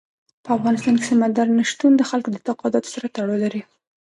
په افغانستان کې سمندر نه شتون د خلکو د اعتقاداتو سره تړاو لري.